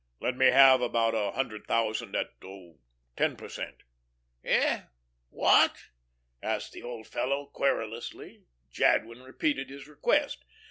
Let me have about a hundred thousand at oh, ten per cent." "Hey what?" asked the old fellow querulously. Jadwin repeated his request.